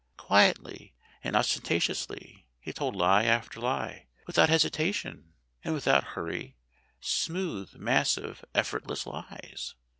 Quietly and unostentatiously he told lie after lie, without hesitation and without hurry, smooth, massive, effortless lies.